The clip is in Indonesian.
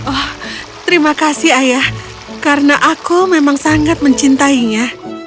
oh terima kasih ayah karena aku memang sangat mencintainya